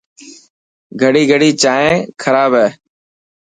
گڙي گڙي جائين خراب هي.